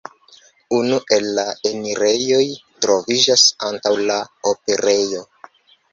Unu el la enirejoj troviĝas antaŭ la operejo.